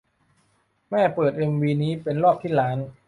แม่เปิดเอ็มวีนี้เป็นรอบที่ล้าน